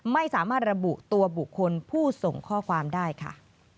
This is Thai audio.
ไม่สามารถระบุตัวบุคคลผู้ส่งข้อความได้ค่ะ